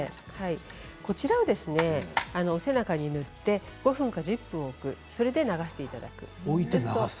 こちらをお背中に塗って５分から１０分置いて流していただくんです。